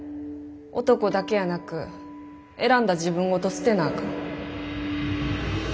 男だけやなく選んだ自分ごと捨てなあかん。